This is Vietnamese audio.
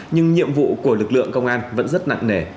nhưng nhiệm vụ của lực lượng công an vẫn rất nặng nề